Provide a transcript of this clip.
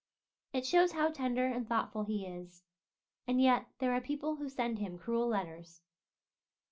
It shows how tender and thoughtful he is. And yet there are people who send him cruel letters!